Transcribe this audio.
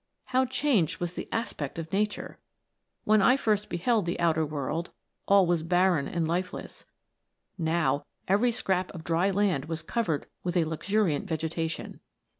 How changed was the aspect of nature ! When I first beheld the outer world all was barren and lifeless, now every scrap of dry land was covered with a luxuriant vegetation.